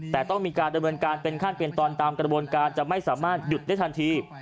แต่ต้องมีการดำเนินการเป็นขั้นเป็นตอนตามกระบวนการจะไม่สามารถหยุดได้ทันที